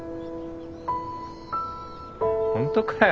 本当かよ。